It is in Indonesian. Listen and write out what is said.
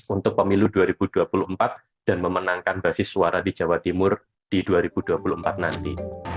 untuk pemilu dua ribu dua puluh empat dan memenangkan basis suara di jawa timur di dua ribu dua puluh empat nanti